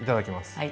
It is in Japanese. はい。